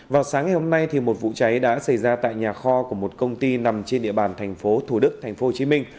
vào sáng ngày hôm nay một vụ cháy đã xảy ra tại nhà kho của một công ty nằm trên địa bàn thành phố thủ đức thành phố hồ chí minh